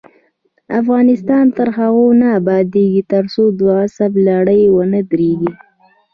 افغانستان تر هغو نه ابادیږي، ترڅو د غصب لړۍ ونه دریږي.